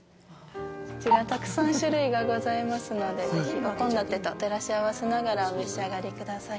こちらたくさん種類がございますのでお献立と照らし合わせながらお召し上がりください。